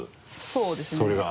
そうですね。